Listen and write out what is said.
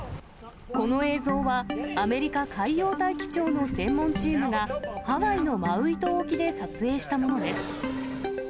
この映像は、アメリカ海洋大気庁の専門チームが、ハワイのマウイ島沖で撮影したものです。